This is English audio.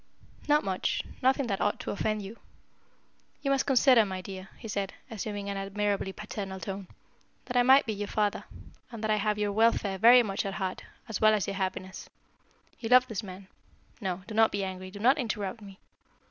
"Not much nothing that ought to offend you. You must consider, my dear," he said, assuming an admirably paternal tone, "that I might be your father, and that I have your welfare very much at heart, as well as your happiness. You love this man no, do not be angry, do not interrupt me.